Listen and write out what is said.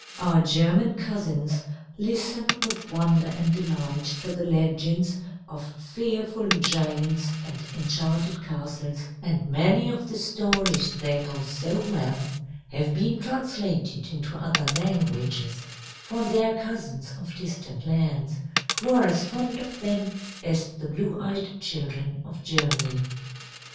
Our German cousins listen with wonder and delight to the legends of fearful giants and enchanted castles, and many of the stories they know so well have been translated into other languages for their cousins of distant lands, who are as fond of them as the blue eyed children of Germany.